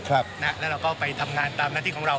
แล้วเราก็ไปทำงานตามหน้าที่ของเรา